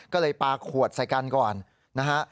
ก็เลยปลาขวดใส่กันก่อนนะฮะ